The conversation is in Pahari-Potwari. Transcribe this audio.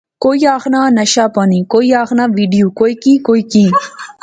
کوئی آخنا نشہ پانی، کوِئی آخنا وڈیو۔۔۔ کوئی کی کوئی کی